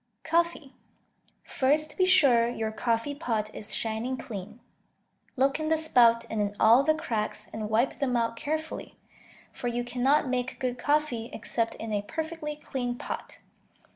Coffee First be sure your coffee pot is shining clean; look in the spout and in all the cracks, and wipe them out carefully, for you cannot make good coffee except in a perfectly clean pot.